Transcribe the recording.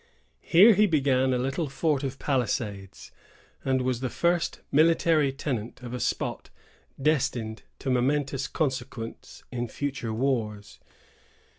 Here he began a little fort of palisades, and was the first military tenant of a spot destined to momentous consequence in future wars.